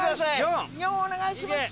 ４お願いします！